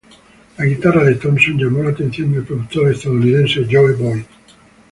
La guitarra de Thompson llamó la atención del productor estadounidense Joe Boyd.